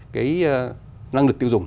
cái năng lực tiêu dùng